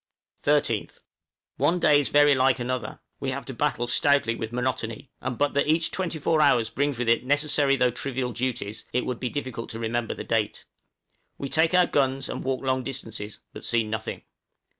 {MONOTONOUS LIFE.} 13th. One day is very like another; we have to battle stoutly with monotony; and but that each twenty four hours brings with it necessary though trivial duties, it would be difficult to remember the date. We take our guns and walk long distances, but see nothing.